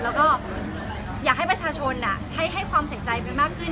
แล้วก็อยากให้ประชาชนให้ความสนใจไปมากขึ้น